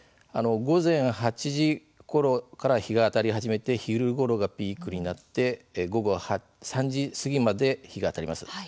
午前８時ごろから日が当たり始めて昼ごろがピークになって午後３時過ぎまで日が当たります。